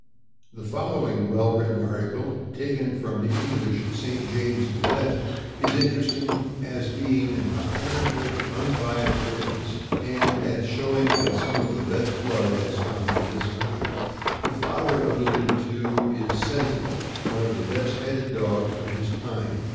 The following well written article, taken from the English St. James Gazette, is interesting as being by an apparently unbiased witness, and as showing that some of the best blood has come to this country. The father alluded to is Sentinel, one of the best headed dogs of his kind.